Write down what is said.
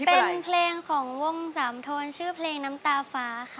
เป็นเพลงของวงสามโทนชื่อเพลงน้ำตาฟ้าค่ะ